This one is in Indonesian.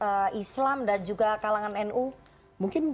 kalau saya lihat itu